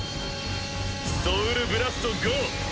ソウルブラスト５！